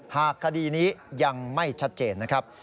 หากคดีนี้ยังไม่ชัดเจนนะครับ